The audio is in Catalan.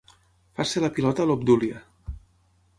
Faci la pilota a l'Obdúlia.